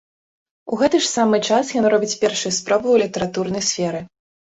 У гэты ж самы час ён робіць першыя спробы ў літаратурнай сферы.